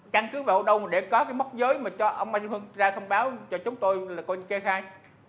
căn cứ vào đâu mà để có cái móc giới mà cho ông mai trân hưng ra thông báo cho chúng tôi là coi như kê khai